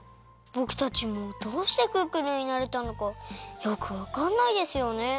ぼくたちもどうしてクックルンになれたのかよくわかんないですよね。